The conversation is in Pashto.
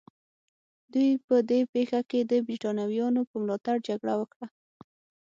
دوی په دې پېښه کې د برېټانویانو په ملاتړ جګړه وکړه.